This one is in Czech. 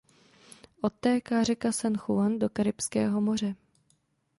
Odtéká řeka San Juan do Karibského moře.